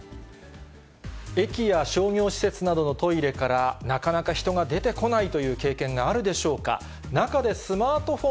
駅や商業施設などのトイレからなかなか人が出てこないという経験があるでしょうか。